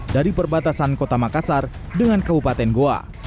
dari perbatasan kota makassar dengan kabupaten goa